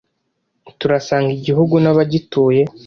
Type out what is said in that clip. turasanga igihugu n’abagituye